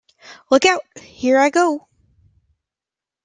Look out — here I go!